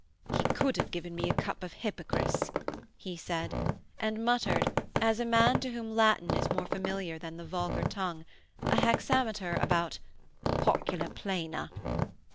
'He could have given me a cup of hypocras,' he said, and muttered, as a man to whom Latin is more familiar than the vulgar tongue, a hexameter about 'pocula plena.'